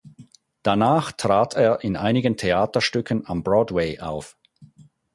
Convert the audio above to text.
Danach trat er in einigen Theaterstücken am Broadway auf.